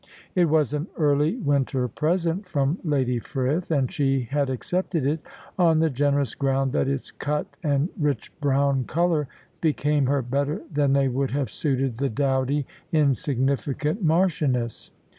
It was an early winter present from Lady Frith, and she had accepted it on the generous ground that its cut and rich brown colour became her better than they would have suited the dowdy, insignificant Marchioness.